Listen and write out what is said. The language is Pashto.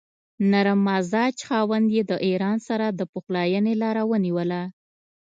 نرم مزاج خاوند یې د ایران سره د پخلاینې لاره ونیوله.